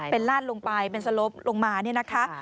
เป็นลาดลงไปเป็นสลบลงมาเนี่ยนะคะ